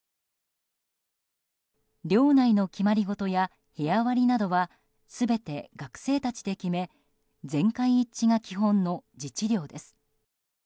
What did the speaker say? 寮内の決まり事や部屋割りなどは全て学生たちで決め全会一致が基本の自治寮です。